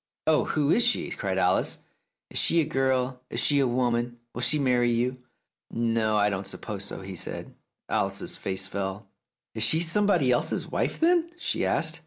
"Oh, who is she?" cried Alice. "Is she a girl? Is she a woman ? Will she marry you ?" "No; I don't suppose so," said he. Alice's face fell. "Is she somebody else's wife, then?" she asked.